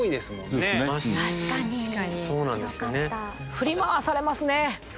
振り回されますね。